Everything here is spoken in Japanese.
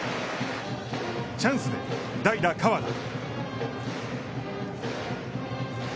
チャンスで代打河田。